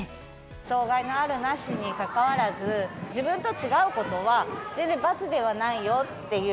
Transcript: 障がいのあるなしにかかわらず、自分と違うことは全然バツではないよっていう。